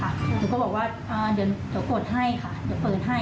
หรือก็บอกว่าเอ่อเดี๋ยวกดให้ครับเดี๋ยวเปิดให้